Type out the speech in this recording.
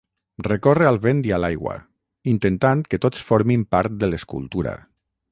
Recorre al vent i a l'aigua, intentant que tots formin part de l'escultura.